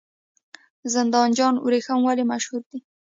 زنده جان وریښم ولې مشهور دي؟